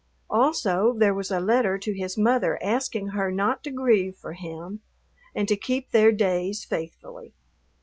Also there was a letter to his mother asking her not to grieve for him and to keep their days faithfully.